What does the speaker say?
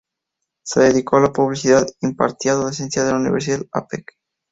Se dedicó a la publicidad; impartía docencia en la Universidad Apec.